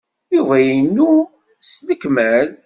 Yuba inu s lekmal.